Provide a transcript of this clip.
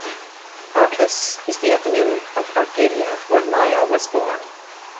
Arcas is the eponym of Arcadia, where Maia was born.